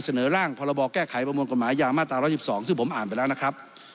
เสนอร่างพรบแก้ไขประมวลกฎหมายยามาตรา๑๑๒ซึ่งผมอ่านไปแล้วนะครับ